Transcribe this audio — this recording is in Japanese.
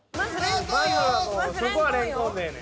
まずはそこはレンコンでええねん。